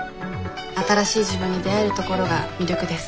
新しい自分に出会えるところが魅力です。